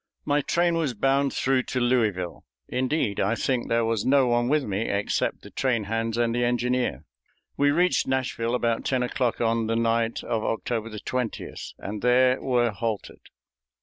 My train was bound through to Louisville. Indeed, I think there was no one with me except the train hands and the engineer. We reached Nashville about ten o'clock on the night of October 20th, and there were halted.